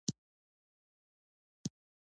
طلا د افغانانو د اړتیاوو د پوره کولو وسیله ده.